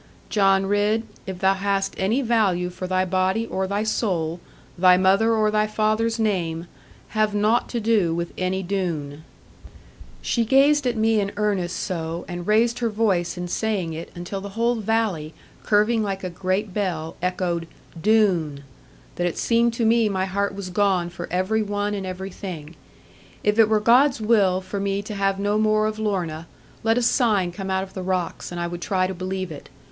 'John Ridd, if thou hast any value for thy body or thy soul, thy mother, or thy father's name, have nought to do with any Doone.' She gazed at me in earnest so, and raised her voice in saying it, until the whole valley, curving like a great bell echoed 'Doone,' that it seemed to me my heart was gone for every one and everything. If it were God's will for me to have no more of Lorna, let a sign come out of the rocks, and I would try to believe it.